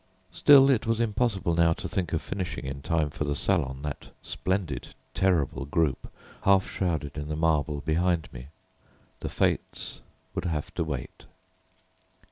Still, it was impossible now to think of finishing in time for the Salon that splendid terrible group half shrouded in the marble behind me. The "Fates" would have to wait.